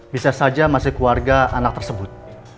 bisa saja masih keluarga anak tersebut